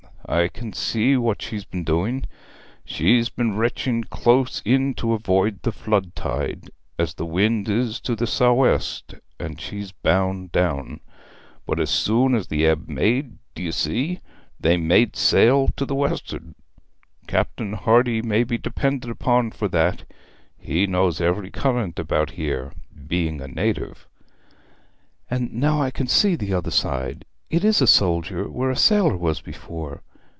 I can see what she's been doing. She's been re'ching close in to avoid the flood tide, as the wind is to the sou' west, and she's bound down; but as soon as the ebb made, d'ye see, they made sail to the west'ard. Captain Hardy may be depended upon for that; he knows every current about here, being a native.' 'And now I can see the other side; it is a soldier where a sailor was before.